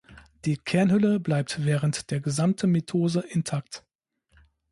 Die Kernhülle bleibt während der gesamten Mitose intakt.